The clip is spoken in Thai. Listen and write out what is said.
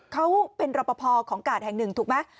เขาเป็นรอปภของกาดแห่งหนึ่งถูกไหม